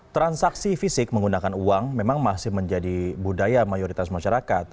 transaksi fisik menggunakan uang memang masih menjadi budaya mayoritas masyarakat